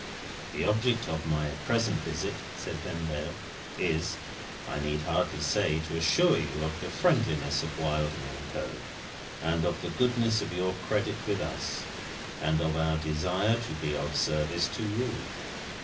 "The object of my present visit," said Vendale, "is, I need hardly say, to assure you of the friendliness of Wilding and Co., and of the goodness of your credit with us, and of our desire to be of service to you.